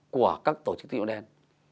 của các tổ chức tính dụng đen